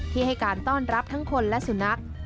ให้การต้อนรับทั้งคนและสุนัข